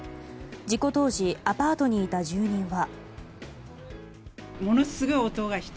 事故当時、アパートにいた住人は。